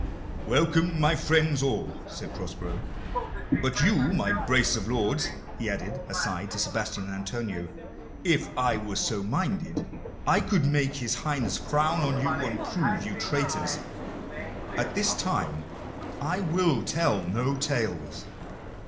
"Welcome, my friends all!" said Prospero. "But you, my brace of lords," he added, aside to Sebastian and Antonio, "if I were so minded, I could make his Highness frown on you and prove you traitors. At this time I will tell no tales."